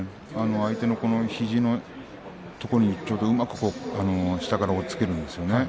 相手の肘のところにちょうどうまく下から押っつけですね。